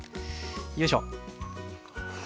よいしょ。